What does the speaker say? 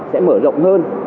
sẽ mở rộng hơn